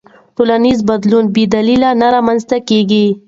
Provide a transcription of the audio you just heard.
ټولنیز بدلون بې دلیله نه رامنځته کېږي.